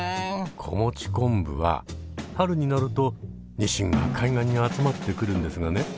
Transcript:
子持ち昆布は春になるとニシンが海岸に集まってくるんですがね。